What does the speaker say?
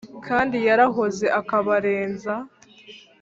Kandi yarahoze akabarenza,